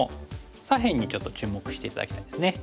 左辺にちょっと注目して頂きたいですね。